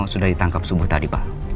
sudah ditangkap subuh tadi pak